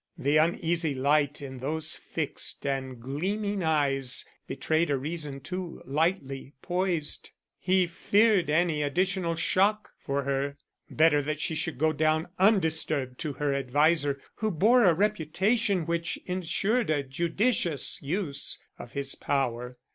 The uneasy light in those fixed and gleaming eyes betrayed a reason too lightly poised. He feared any additional shock for her. Better that she should go down undisturbed to her adviser, who bore a reputation which insured a judicious use of his power.